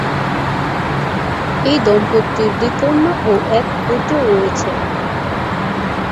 এই দম্পতির দুই কন্যা ও এক পুত্র রয়েছে।